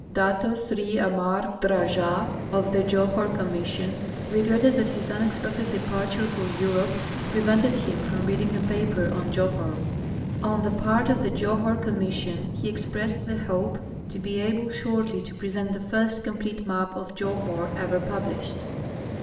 Dato Sri Amar cl'Rajah, of the Johore Commission, regretted that his unexpected departure for Europe prevented him from reading a paper on Johore. On the part of the Johore Commis sion he expressed the hope to be able shortly to j)i'esent the first complete map of Johore ever published.